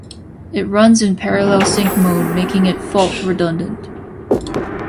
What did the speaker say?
It runs in parallel sync mode making it fault redundant.